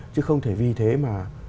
chứ không thể vì thế mà